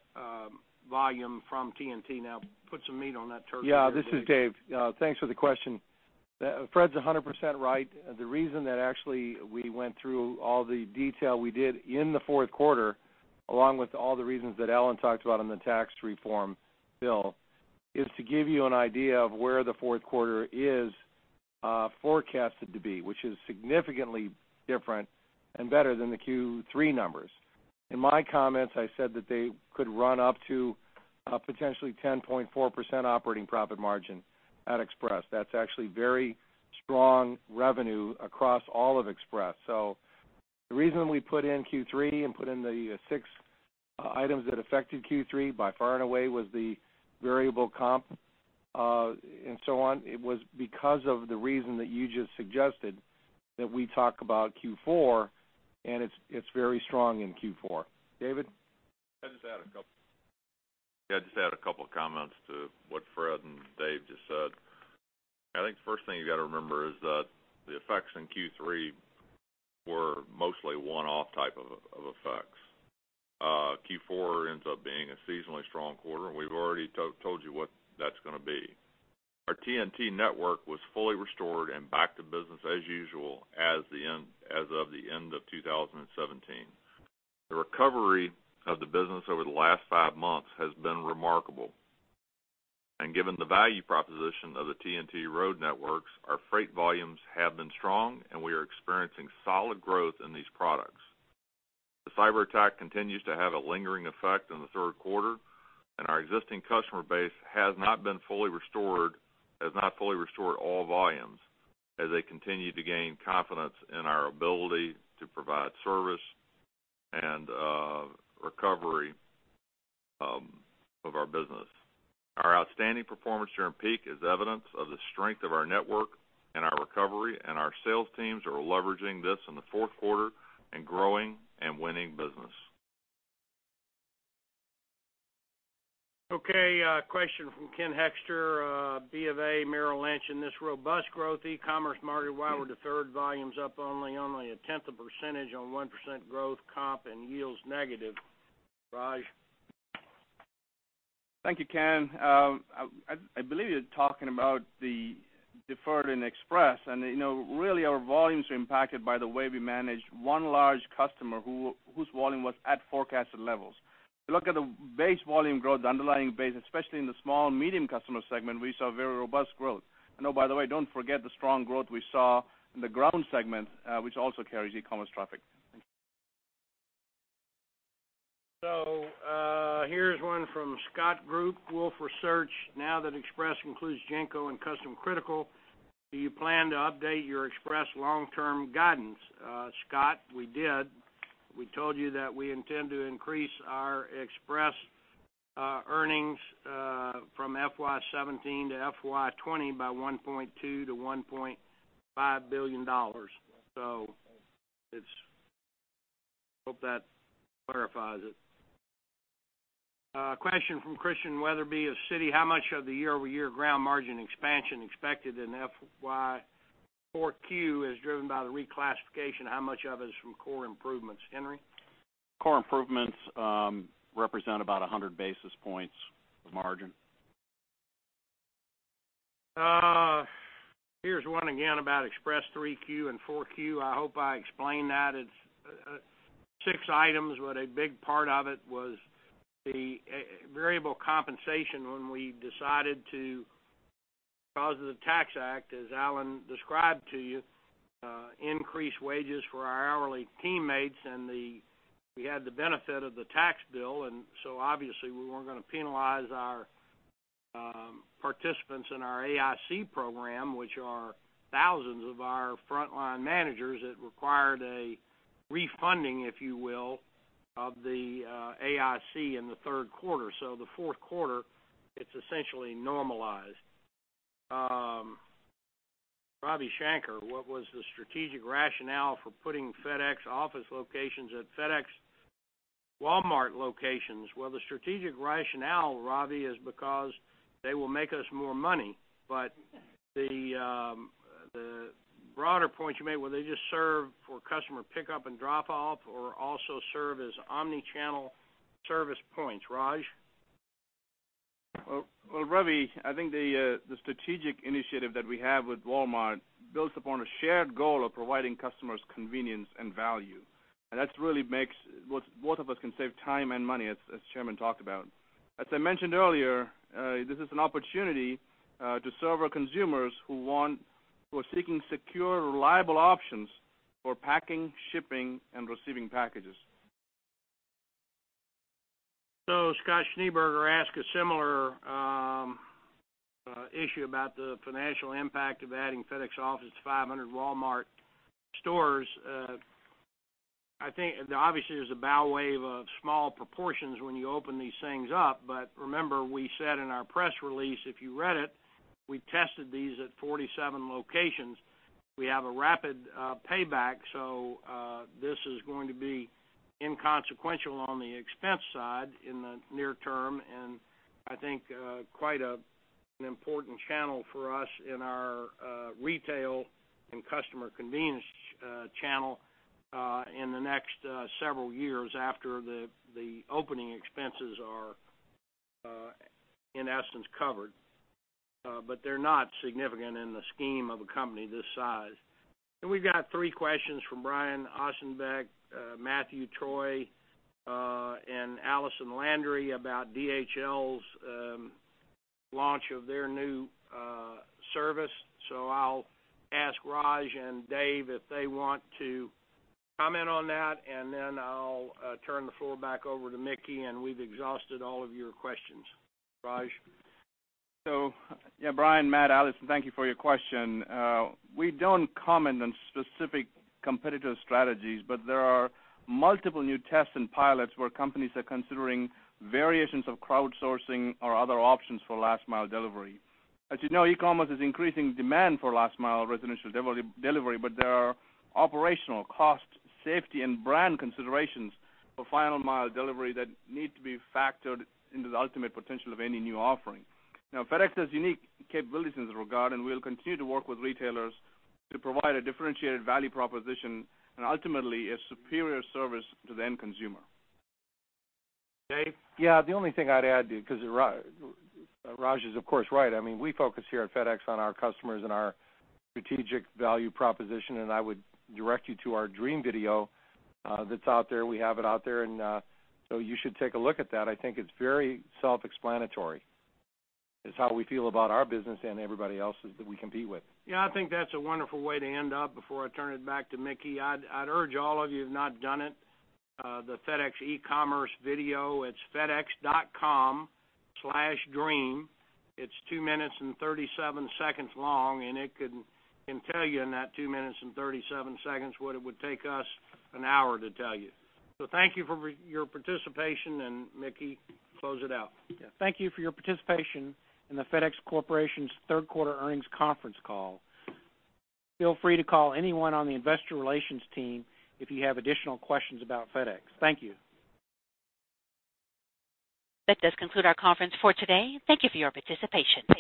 volume from TNT. Put some meat on that turkey. This is Dave. Thanks for the question. Fred's 100% right. The reason that actually we went through all the detail we did in the fourth quarter, along with all the reasons that Alan talked about on the tax reform bill, is to give you an idea of where the fourth quarter is forecasted to be, which is significantly different and better than the Q3 numbers. In my comments, I said that they could run up to potentially 10.4% operating profit margin at Express. That's actually very strong revenue across all of Express. The reason we put in Q3 and put in the six items that affected Q3 by far and away was the variable comp, and so on. It was because of the reason that you just suggested that we talk about Q4, and it's very strong in Q4. David? I just had a couple of comments to what Fred and Dave just said. I think the first thing you got to remember is that the effects in Q3 were mostly one-off type of effects. Q4 ends up being a seasonally strong quarter, and we've already told you what that's going to be. Our TNT network was fully restored and back to business as usual as of the end of 2017. The recovery of the business over the last five months has been remarkable. Given the value proposition of the TNT road networks, our freight volumes have been strong, and we are experiencing solid growth in these products. The cyberattack continues to have a lingering effect in the third quarter, and our existing customer base has not fully restored all volumes as they continue to gain confidence in our ability to provide service and recovery of our business. Our outstanding performance during peak is evidence of the strength of our network and our recovery, and our sales teams are leveraging this in the fourth quarter and growing and winning business. Question from Ken Hoexter, B of A Merrill Lynch. In this robust growth e-commerce market, why were deferred volumes up only a tenth of percentage on 1% growth comp and yields negative? Raj? Thank you, Ken Hoexter. I believe you're talking about the deferred in FedEx Express, really our volumes are impacted by the way we manage one large customer whose volume was at forecasted levels. If you look at the base volume growth, the underlying base, especially in the small and medium customer segment, we saw very robust growth. Oh, by the way, don't forget the strong growth we saw in the FedEx Ground segment, which also carries e-commerce traffic. Thank you. Here's one from Scott Group, Wolfe Research. Now that FedEx Express includes GENCO and FedEx Custom Critical, do you plan to update your FedEx Express long-term guidance? Scott, we did. We told you that we intend to increase our FedEx Express earnings from FY 2017 to FY 2020 by $1.2 billion-$1.5 billion. Hope that clarifies it. A question from Christian Wetherbee of Citi. How much of the year-over-year FedEx Ground margin expansion expected in FY 4Q is driven by the reclassification? How much of it is from core improvements? Henry Maier? Core improvements represent about 100 basis points of margin. Here's one again about FedEx Express 3Q and 4Q. I hope I explained that. It's six items, but a big part of it was the variable compensation when we decided to, because of the Tax Act, as Alan Graf described to you, increase wages for our hourly teammates, we had the benefit of the tax bill, obviously we weren't going to penalize our participants in our AIC program, which are thousands of our frontline managers. It required a refunding, if you will, of the AIC in the third quarter. The fourth quarter, it's essentially normalized. Ravi Shanker, what was the strategic rationale for putting FedEx Office locations at Walmart locations? The strategic rationale, Ravi, is because they will make us more money. The broader point you made, will they just serve for customer pickup and drop-off, or also serve as omnichannel service points? Raj Subramaniam? Well, Ravi, I think the strategic initiative that we have with Walmart builds upon a shared goal of providing customers convenience and value. That really makes both of us can save time and money, as Chairman talked about. As I mentioned earlier, this is an opportunity to serve our consumers who are seeking secure, reliable options for packing, shipping, and receiving packages. Scott Schneeberger asked a similar issue about the financial impact of adding FedEx Office to 500 Walmart stores. I think obviously there's a bow wave of small proportions when you open these things up. Remember, we said in our press release, if you read it, we tested these at 47 locations. We have a rapid payback. This is going to be inconsequential on the expense side in the near term, and I think quite an important channel for us in our retail and customer convenience channel in the next several years after the opening expenses are in essence covered. They're not significant in the scheme of a company this size. We've got three questions from Brian Ossenbeck, Matthew Troy, and Allison Landry about DHL's launch of their new service. I'll ask Raj and Dave if they want to comment on that, then I'll turn the floor back over to Mickey, and we've exhausted all of your questions. Raj? Yeah, Brian, Matt, Allison, thank you for your question. We don't comment on specific competitive strategies, there are multiple new tests and pilots where companies are considering variations of crowdsourcing or other options for last mile delivery. As you know, e-commerce is increasing demand for last mile residential delivery, there are operational costs, safety, and brand considerations for final mile delivery that need to be factored into the ultimate potential of any new offering. FedEx has unique capabilities in this regard, and we'll continue to work with retailers to provide a differentiated value proposition and ultimately a superior service to the end consumer. Dave? The only thing I'd add, because Raj is of course right. I mean, we focus here at FedEx on our customers and our strategic value proposition. I would direct you to our dream video that's out there. We have it out there. You should take a look at that. I think it's very self-explanatory. It's how we feel about our business and everybody else's that we compete with. I think that's a wonderful way to end up. Before I turn it back to Mickey, I'd urge all of you who have not done it, the FedEx e-commerce video. It's fedex.com/dream. It's two minutes and 37 seconds long. It can tell you in that two minutes and 37 seconds what it would take us an hour to tell you. Thank you for your participation. Mickey, close it out. Thank you for your participation in the FedEx Corporation's third quarter earnings conference call. Feel free to call anyone on the investor relations team if you have additional questions about FedEx. Thank you. That does conclude our conference for today. Thank you for your participation.